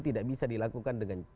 tidak bisa dilakukan dengan